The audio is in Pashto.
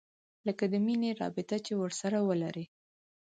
لکه د مينې رابطه چې ورسره ولري.